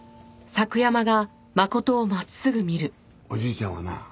おじいちゃんはな